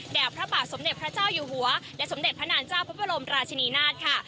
พระบาทสมเด็จพระเจ้าอยู่หัวและสมเด็จพระนางเจ้าพระบรมราชินีนาฏค่ะ